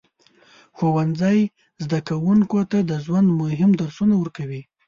ښوونځی زده کوونکو ته د ژوند مهم درسونه ورکوي.